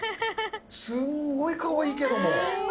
すんごいかわいいけども。